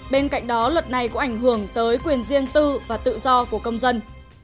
bên cạnh đó luật này cũng ảnh hưởng tới quyền riêng tư và tự do của công dân